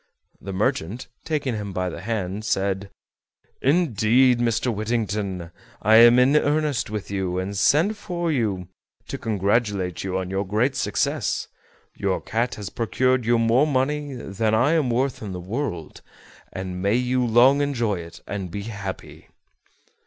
The merchant, taking him by the hand, said: "Indeed, Mr. Whittington, I am in earnest with you, and sent for you to congratulate you on your great success. Your cat has procured you more money than I am worth in the world, and may you long enjoy it and be happy!"